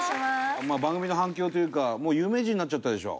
番組の反響というかもう有名人になっちゃったでしょ？